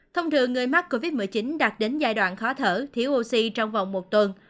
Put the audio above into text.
thông thường người mắc covid một mươi chín đạt đến giai đoạn khó thở thiếu oxy trong vòng một tuần